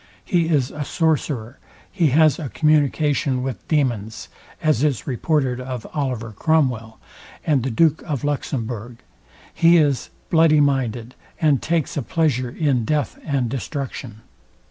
He is a sorcerer: He has a communication with daemons; as is reported of OLIVER CROMWELL, and the DUKE OF LUXEMBOURG: He is bloody minded, and takes a pleasure in death and destruction.